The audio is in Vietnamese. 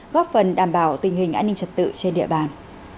góp phần đảm bảo tình hình an ninh trật tự trên địa bàn